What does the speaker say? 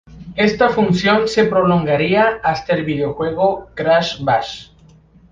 Esta función se prolongaría hasta el videojuego "Crash Bash".